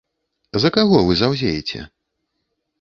За каго вы заўзееце?